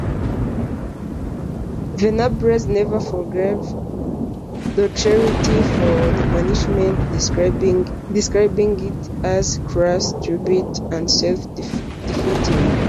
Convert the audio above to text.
Venables never forgave Docherty for the punishment, describing it as "crass, stupid and self-defeating".